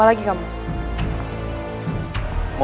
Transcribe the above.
apa lagi yang kamu inginkan